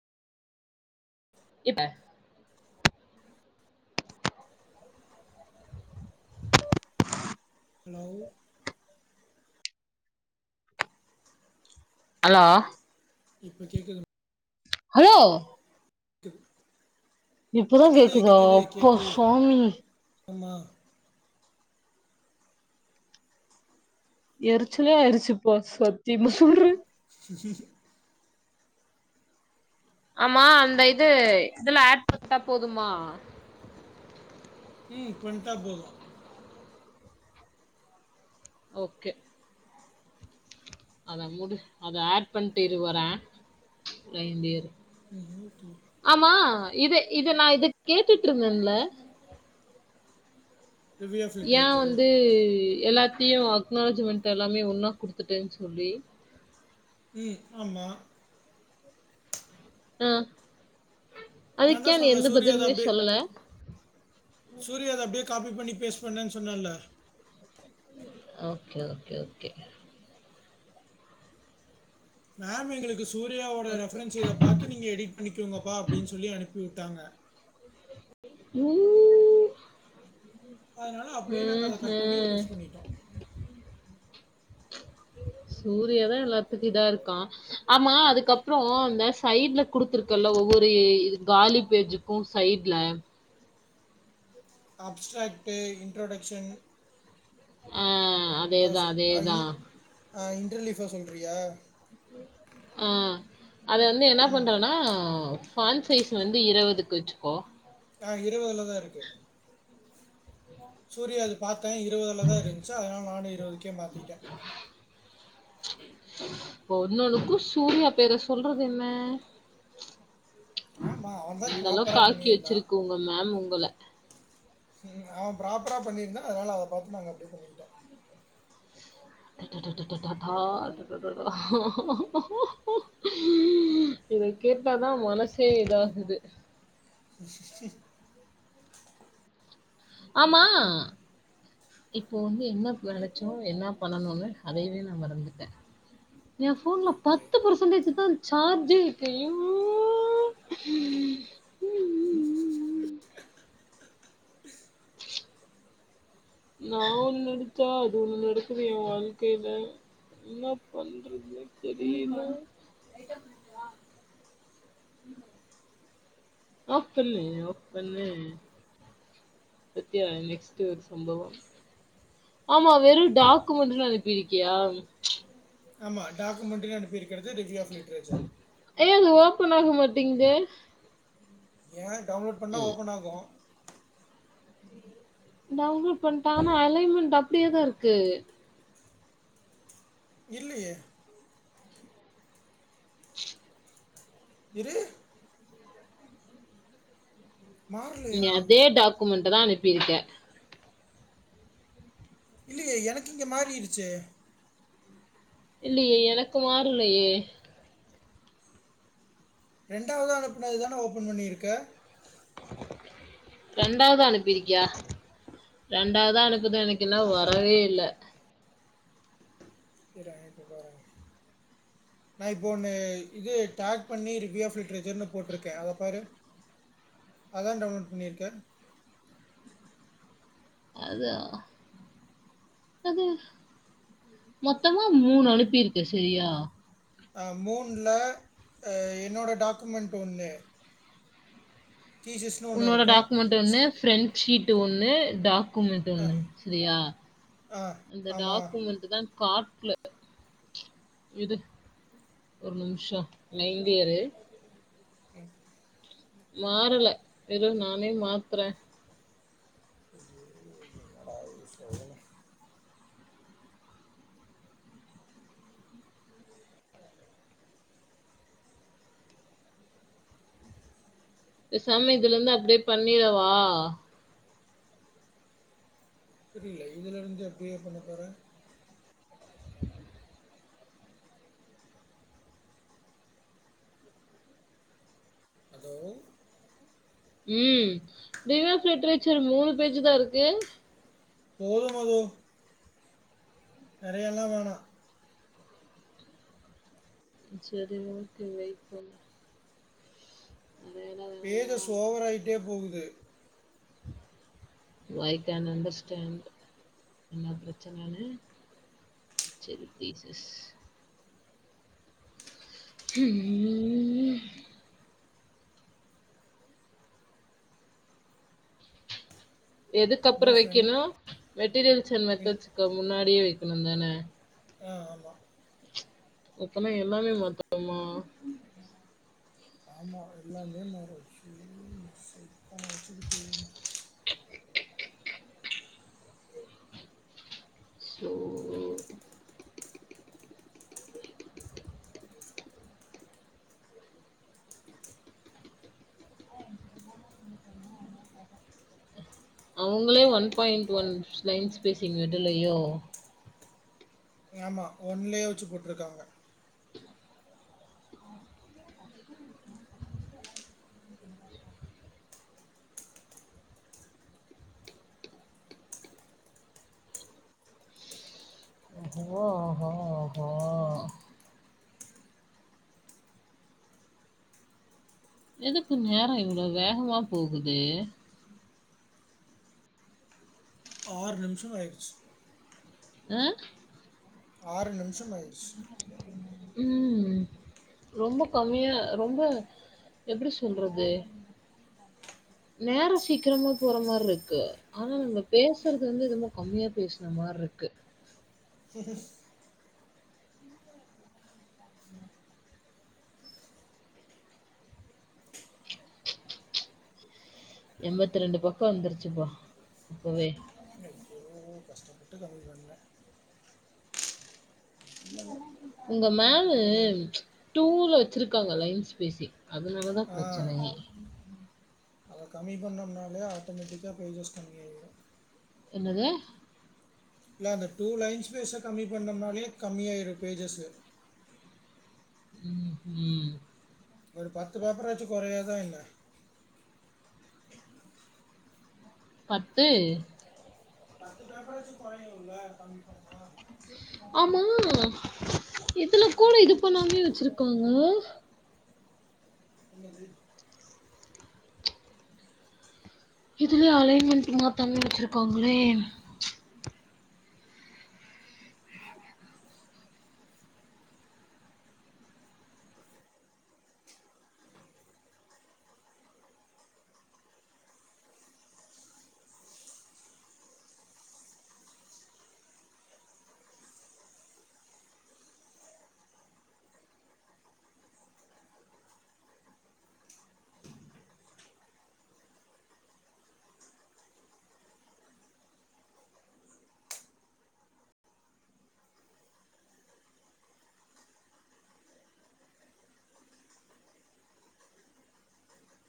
இப்ப hello hello இப்ப கேக்குது ஹலோ டு இப்பதா கேக்குதா அப்பா சாமி ஆம்மா எரிச்சலே ஆயிடுச்சுப்பா சத்தியமா சொல்றே ஆமா அந்த இது இதுல ஆட் பட்டா போதுமா தி இக்வன்ட்டா போது ஓகே அத மூடு அத ஆட் பண்ட்டு இரு வர லைன்லே இரு [inaudible] ஆமா இத இத நா இது கேட்டுட்ருந்தேன்ல ரிவ்யூ ஆஃப் யா லிட்ரேச்சரு வந்து எல்லாத்தையு அக்னாலஜிமெண்ட் எல்லாமே ஒன்னா குடுத்துட்டேன் சொல்லி ம் ஆமா ஆ நான் அதுக் ஏ தான் நீ சொன்னேன் எந்த சூர்யாது பதில்மே சொல்லல சூரியா அது அப்டே காப்பி பண்ணி பேஸ்ட் பண்ணுன் சொன்னேல்ல ஓகே ஓகே ஓகே மேம் எங்களுக்கு சூர்யாவோட ரெஃபரன்ஸே இத பாத்து நீங்க எடிட் பண்ணிக்கோங்கப்பா அப்டின் சொல்லி அனுப்பி உட்டாங்க ஊ அதனால அப்டே நாங்க அத கட் பண்ணி ம்ஹ்ம். பேஸ் பண்ணிட்டோ சூரியாதா எல்லாத்துக்கு இதா இருக்கா ஆமா அதுக்கப்றோ அந்த சைட்ல குடுத்துருக்கல்ல ஒவ்வொரு இது காலி பேஜு கோ சைட்ல அப்ஸ்ட்ராக்ட்டு இன்ட்ரடொக்ஷன் ஆ அப் அ சொ அ இன் அ இன்டர்லீஃபா சொல்றியா ஆ அத வந்து என்னா ம் பண்றனா ஆவ் ஃபான் சைஸ் வந்து இருவதுக் வச்சுக்கோ ஆ இருவதுலதா இருக்கு சூர்யாது பாத்தே இருவதுலதா இருந்ச்சு அதனால நானு இருவதுக்கே மாத்திட்டே ஒன்னொனுக்கு சூர்யா பேர சொல்றதென்ன ஆமா அவன் தான் இந்தளவ்க் ப்ராப்பரா காக்கி பண்ணியிருந்தான் வெச்சிருக்கு உங்க மேம் உங்கள ம் அவன் ப்ராப்பரா பண்ணிருந்தா அதனால அத பாத்து நாங்க அப்டே பண்ணிக்கிட்டோ அடடடடடடாடா அடடடா இத கேட்டாதா மனசே இதாகுது ஆமா இப்போ வந்து என்ன வெளச்சோ என்னா பண்ணனுனு அதையவே நா மறந்துட்டே எ ஃபோன்ல போயிட்டு பத்து பர்சன்டேஜ் தா ச்சார்ஜே இக்கு யூ ம் நா ஒண் நெனுச்சா அது ஒண்ணு நடக்குது எ வாழ்க்கைய்ல என்ன பண்றதுன்னே தெரியில அப்புண்ணே ஓப்பண்ணே சத்யா நெக்ஸ்ட் ஒர் சம்பவம் ஆமா வெறு டாக்குமெண்ட்டுனு அனுப்பிருக்கியாம் ஆமா டாக்குமெண்ட்டுக்கு அனுப்பிர்க்கிறது டிக்ரி ஆஃப் லிட்ரேச்சர் ஏ அது ஓப்பன் ஆக மாட்டேங்தே ஏ டவ்ன்லோட் பண்ணா ஓப்பன் ஆகு டவ்ன்லோட் பண்ட்ட ஆனா அலைமெண்ட் அப்ட்யே தா ருக்கு இல்லயே இரு நீங்க மாறலையா அதே டாக்குமெண்ட்டதா அனுப்பிருக்க இல்லயே எனக்கு இங்க மாறிருச்சே இல்லியே எனக்கு மாறலயே ரெண்டாவதா அனுப்புனது தான ஓப்பன் பண்ணிருக்க ரெண்டாவது அனுப்பிருக்கியா ரெண்டாவதா அனுப்புனது எனக்கு இன்னு வரவே இல்ல இர இப்ப பார நா இப்போ ஒன்னு இது டேக் பண்ணி ரிவியூ ஆஃப் லிட்ரேச்சர்னு போட்டிருக்கே அத பாரு அதான டவுன்லோட் பண்ணிருக்க அதா அது மொத்தமா மூணு அனுப்பிருக்க சரியா அ மூணுல என்னோட டாக்குமெண்ட் ஒன்னு ஒண்ணு உன்னோட இருக்கும். டாக்குமெண்ட் ஸ் ஒன்னு ஃப்ரெண்ட் ஷீட் ஒன்னு டாக் குமெண்ட் ஒன்னு சரியா ஆ அந்த ஆமா. டாக்குமெண்ட் அதா காட்ல இது ஒரு நிமிஷம் லையன்லயே இரு ம் மாறல இரு நானே மாத்துற நா ஒன்னு சொல்லனு பேசாம இதுல இருந்து அப்டியே பண்ணிறவா? புரில இதுல இருந்து எப்டியே பண்ண போற ஹலோ ம் ரிவியூ ஆஃப் லிட்ரேச்சர் மூணு பேஜ்ஜிதா இருக்கு போது போது நெறையால்லா வேணா சேரி ஓகே வெயிட் பண்ணு அது என்னது தேஜஸ் ஓவர் ஆயிட்டே போகுது ஒய் கென் அண்டர்ஸ்டாண்ட் என்ன பிரச்சனனு சேரி தீசஸ் ம் எதுக்கப்பறோ இன்னும் ஃப்ரெண்ட் வைக்கணு மெட்டீரியல்ஸ் இன் மெத்தட்ஸ்சுக்கு முன்னாடியே வைக்கணு தான ஆ ஆமா மொத்தமா எல்லாமே மாத்த னுமா ஆமா எல்லாமே மாறு அய்யயோ இந்த செல்போன வச்சுக்கிட்டு ஸோ [inaudible] அவங்களே one point one line spacing விடலயோ ஆமா ஒன்லேயே வச்சு போட்டுருக்காங்க ஓஹோ ஓஹோ ஓஹோ! எதுக்கு நேரம் இவ்ளோ வேகமா போகுது ஆறு நிமிஷமா ஆயிடுச்சு ஆ ஆறு நிமிஷம் ஆயிருச்சு ம் ரொம்ப கம்மியா ரொம்ப எப்டி சொல்றது நேரோ சீக்கிரமா போற மாரி இருக்கு ஆனா நம்ம பேசுறது வந்து என்னுமோ கம்மியா பேசுன மாரிருக்கு [unintelligible] உம் [inaudible] எண்பத்ரெண்டு பக்கோ வந்துருச்சுப்பா இப்பவே அய்யோ கஷ்டப்பட்டு கம்மி பண்ணே இல்லல்ல. உங்க மேமு இது ஒரு எண். டூல் வச்சுருக்காங்ள லைன்ஸ் பேஸி அதனால தா ஆ. பிரச்சனையே அத கம்மி பண்ணோம்னாலே ஆட்டோமேட்டிக்காக பேஜஸ் கம்மியாயிடு என்னது இல்ல அந்த டூ லைன்ஸ் ஸ்பேச கம்மி பண்ணம்னாலே கம்மியாயிரு பேஜஸ்சு ம் ம் ஒரு பத்து பேப்பர் ஆச்சு குறையாதா என்ன பத்து பத்து பேப்பராச்சு குறையுல்ல கம்மி பண்ணா ஆமா இதுல கூட இது பண்ணாமேயே வச்சிருக்காங்க என்னது [inaudible] இதுலயு அலைன்மெண்ட் மாத்தாம வச்சுருக்காங்ளே